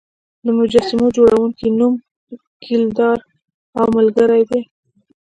د مجسمو جوړونکي نوم ګیلډر او ملګري دی.